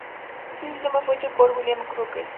Este sistema fue hecho por William Crookes.